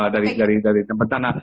dari tempat tanah